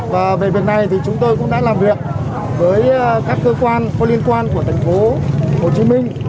và về việc này thì chúng tôi cũng đã làm việc với các cơ quan có liên quan của thành phố hồ chí minh